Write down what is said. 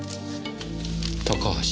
「高橋」。